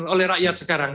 oleh rakyat sekarang